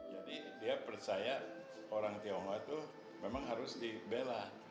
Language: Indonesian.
jadi dia percaya orang tionghoa itu memang harus dibela